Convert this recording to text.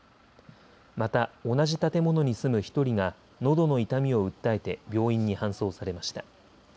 また同じ建物に住む１人がのどの痛みを訴えて病院に搬送されました。